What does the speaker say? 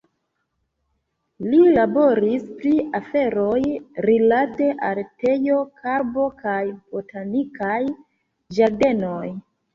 Li laboris pri aferoj rilate al teo, karbo kaj botanikaj ĝardenoj.